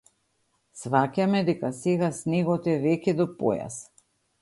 Сфаќаме дека сега снегот е веќе до појас.